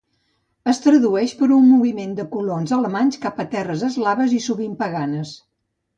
Es tradueix per un moviment de colons alemanys cap a terres eslaves i sovint paganes.